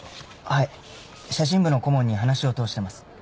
はい写真部の顧問に話を通してます。